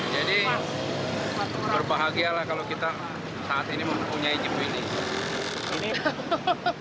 jadi berbahagia lah kalau kita saat ini mempunyai jeep bilis